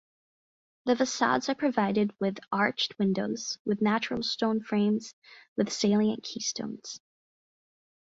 The facades are provided with arched windows with natural stone frames with salient keystones.